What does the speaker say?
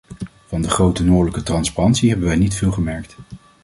Van de grote noordelijke transparantie hebben wij niet veel gemerkt.